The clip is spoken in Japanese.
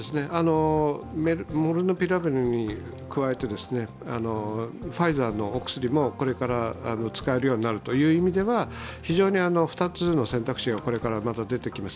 モルヌピラビルに加えてファイザーのお薬もこれから使えるようになるという意味では２つの選択肢がこれから出てきます